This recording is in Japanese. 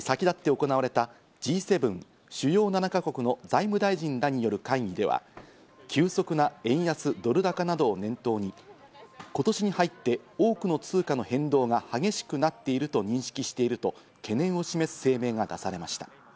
Ｇ２０に先立って行われたＧ７＝主要７か国の財務大臣らによる会議では、急速な円安ドル高などを念頭に今年に入って多くの通貨の変動が激しくなっていると認識していると懸念を示す声明が出されました。